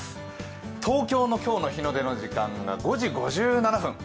東京の今日の日の出の時間が５時５７分。